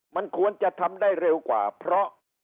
มันควรจะทำได้เร็วกว่าเพราะ